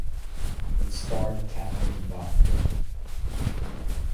It starred Catherine Bach.